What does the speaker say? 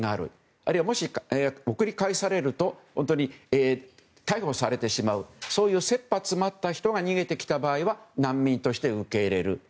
あるいは、送り返されると本当に逮捕されてしまうといった切羽詰まった人が逃げてきた場合は難民として受け入れる。